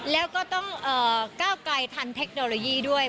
แล้วก็ต้องก้าวไกลทันเทคโนโลยีด้วย